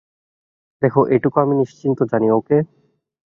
দেখো, এটুকু আমি নিশ্চিত জানি, ওকে?